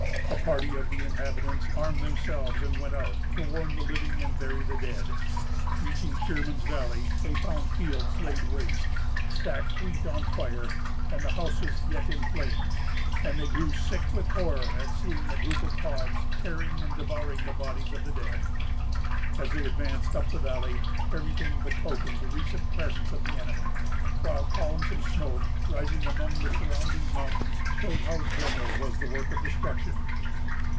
A party of the inhabitants armed themselves and went out, to warn the living and bury the dead. Reaching Shearman's Valley, they found fields laid waste, stacked wheat on fire, and the houses yet in flames; and they grew sick with horror at seeing a group of hogs tearing and devouring the bodies of the dead. As they advanced up the valley, every thing betokened the recent presence of the enemy, while columns of smoke, rising among the surrounding mountains, showed how general was the work of destruction.